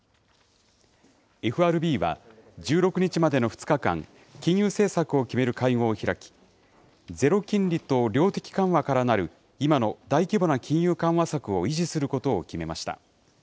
ＦＲＢは、１６日までの２日間、金融政策を決める会合を開き、ゼロ金利と量的緩和からなる今の大規模な金融緩和策を維持することを決めました。